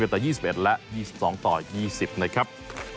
ต่อ๒๑และ๒๒ต่อ๒๐นะครับ